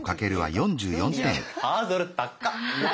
ハードル高っ！